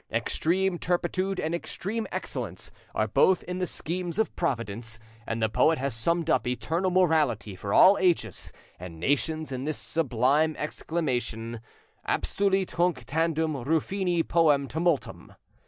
Extreme turpitude and extreme excellence are both in the schemes of Providence; and the poet has summed up eternal morality for all ages and nations in this sublime exclamation: "Abstulit hunc tandem Rufini poem tumultum."